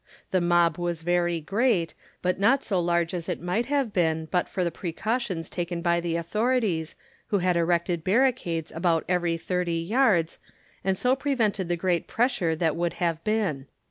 The mob was very great, but not so large as it might have been, but for the precautions taken by the authorities, who had erected barricades about every thirty yards, and so prevented the great pressure that would have been.